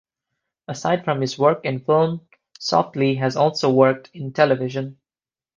Aside from his work in film, Softley has also worked in television.